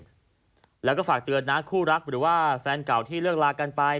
แล้วก็ฝากเตือนนะคู่รักหรือว่าแฟนเก่าที่เลิกลากันไป